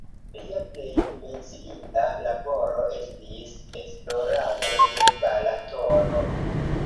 Lia plej menciinda laboro estis esplorado de Balatono.